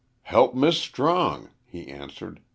"Help Miss Strong," he answered.